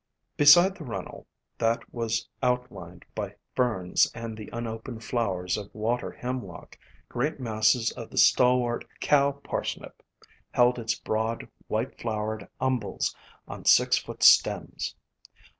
Beside the runnel, that was outlined by Ferns and the unopened flowers of Water Hemlock, great masses of the stalwart Cow Parsnip held its broad white flowered umbels on six foot stems.